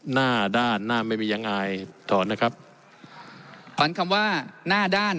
หน้าด้านหน้าไม่มียังไงถอนนะครับฝันคำว่าหน้าด้าน